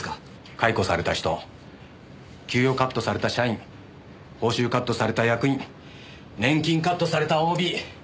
解雇された人給与カットされた社員報酬カットされた役員年金カットされたＯＢ。